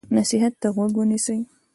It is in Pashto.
نصیحت ته غوږ ونیسئ.